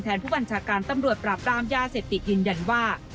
ผู้บัญชาการตำรวจปราบรามยาเสพติดยืนยันว่า